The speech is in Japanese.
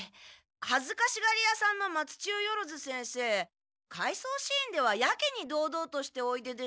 はずかしがりやさんの松千代万先生回想シーンではやけにどうどうとしておいでですが？